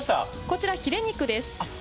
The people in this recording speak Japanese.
こちらヒレ肉ですあっ